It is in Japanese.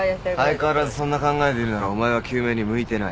相変わらずそんな考えでいるならお前は救命に向いてない。